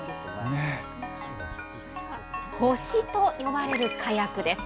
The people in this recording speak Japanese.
星と呼ばれる火薬です。